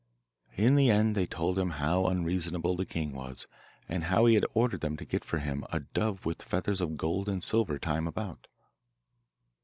In the end they told him how unreasonable the king was, and how he had ordered them to get for him a dove with feathers of gold and silver time about.